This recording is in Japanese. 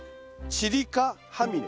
チリカハミネ。